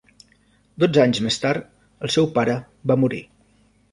Dotze anys més tard, el seu pare va morir.